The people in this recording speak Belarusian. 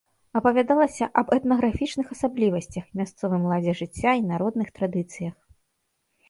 Апавядалася аб этнаграфічных асаблівасцях, мясцовым ладзе жыцця і народных традыцыях.